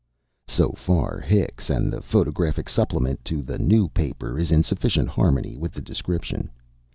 So far Hicks, and the photographic supplement to the New Paper is in sufficient harmony with the description.